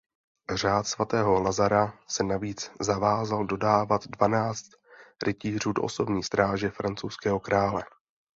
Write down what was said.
Řád svatého Lazara se navíc zavázal dodávat dvanáct rytířů do osobní stráže francouzského krále.